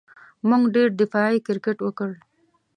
موږ ډېر دفاعي کرېکټ وکړ.